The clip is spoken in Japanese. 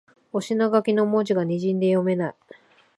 お品書きの文字がにじんで読めない